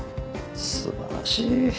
素晴らしい！